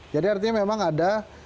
jadi artinya memang ada